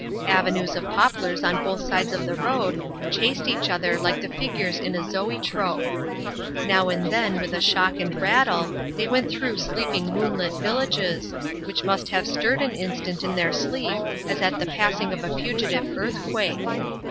Avenues of poplars on both sides of the road chased each other like the figures in a zoetrope. Now and then with a shock and rattle they went through sleeping moonlit villages, which must have stirred an instant in their sleep as at the passing of a fugitive earthquake.